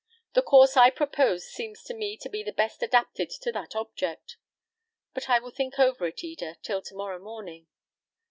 The course I propose seems to me to be the best adapted to that object; but I will think over it Eda till to morrow morning.